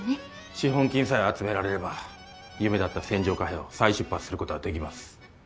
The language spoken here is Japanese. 資本金さえ集められれば夢だった船上カフェを再出発することはできます。